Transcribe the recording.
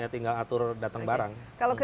tinggal atur datang barang kalau ke